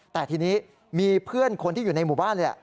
แต่ทีนี้มีเพื่อนคนที่อยู่ในหมู่บ้าน